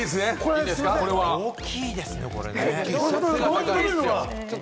大きいですね、これは。